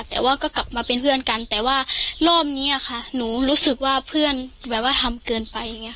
แต่ว่าก็กลับมาเป็นเพื่อนกันแต่ว่ารอบนี้อะค่ะหนูรู้สึกว่าเพื่อนแบบว่าทำเกินไปอย่างนี้ค่ะ